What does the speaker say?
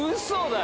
そう。